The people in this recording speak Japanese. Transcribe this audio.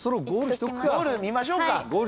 ゴール見ましょうか。